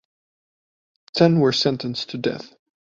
Ten were sentenced to death.